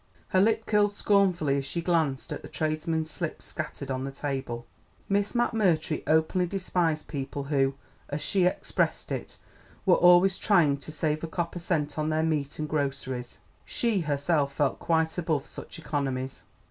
Her lip curled scornfully as she glanced at the tradesmen's slips scattered on the table. Miss McMurtry openly despised people who, as she expressed it, were always "trying to save a copper cent on their meat and groceries." She herself felt quite above such economies.